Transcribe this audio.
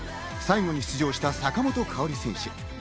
最後に出場した坂本花織選手。